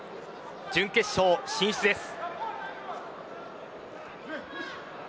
準決勝進出です。